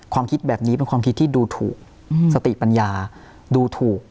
คิดแบบนี้เป็นความคิดที่ดูถูกสติปัญญาดูถูก